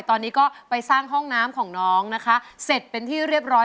ตอนนี้ก็ไปสร้างห้องน้ำของน้องนะคะเสร็จเป็นที่เรียบร้อย